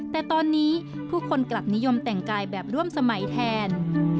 แต่ตอนนี้ผู้คนกลับนิยมแต่งกายแบบร่วมสมัยแทน